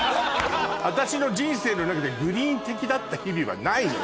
私の人生の中でＧＲｅｅｅｅＮ的だった日々はないのよ。